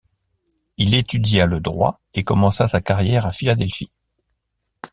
Il étudia le droit et commença sa carrière à Philadelphie.